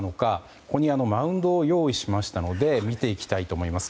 ここにマウンドを用意しましたので見ていきたいと思います。